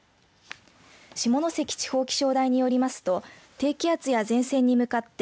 下関地方気象台によりますと低気圧や前線に向かって